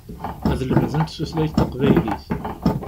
Ad lemdent tutlayt taqbaylit.